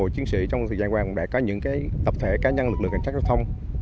có những tập thể cá nhân lực lượng cảnh sát giao thông